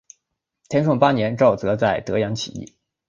天顺八年赵铎在德阳起义。